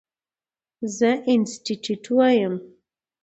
زه انسټيټيوټ وایم.